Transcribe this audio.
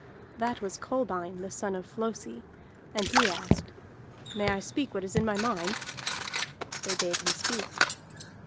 That was Kolbein the son of Flosi, and he asked: "May I speak what is in my mind?" They bade him speak.